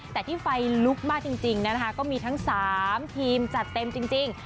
แต่ที่ไฟลุกมากจริงนะคะก็มีทั้ง๓ทีมจัดเต็มจริง